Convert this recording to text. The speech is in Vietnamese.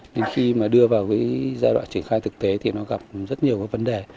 nhưng khi mà đưa vào cái giai đoạn triển khai thực tế thì nó gặp rất nhiều cái vấn đề